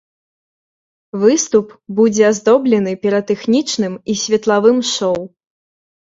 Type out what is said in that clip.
Выступ будзе аздоблены піратэхнічным і светлавым шоў.